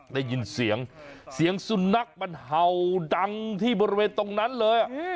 ได้ยินเสียงเสียงสุนัขมันเห่าดังที่บริเวณตรงนั้นเลย